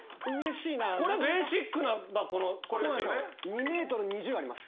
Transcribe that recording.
２ｍ２０あります。